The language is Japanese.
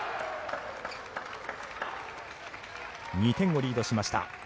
２点をリードしました。